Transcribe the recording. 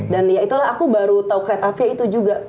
dan ya itulah aku baru tau kereta api itu juga